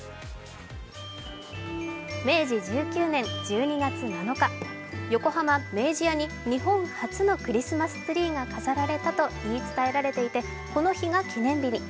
明治１９年１２月７日、横浜・明治屋に日本発のクリスマスツリーが飾られたと言い伝えられていて、この日が記念日に。